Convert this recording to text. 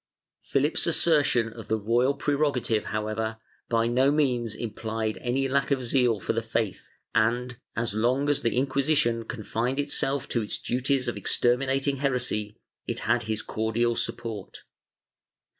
Philip's assertion of the royal prerogative, however, by no means implied any lack of zeal for the faith and, as long as the Inquisition confined itself to its duties of exterminating heresy, it had his cordial support.